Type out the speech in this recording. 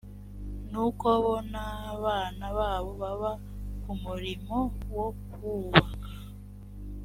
nuko bo n abana babo baba ku murimo wo kubaka